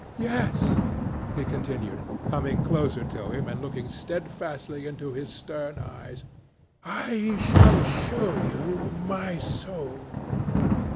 "Yes," he continued, coming closer to him and looking steadfastly into his stern eyes, "I shall show you my soul.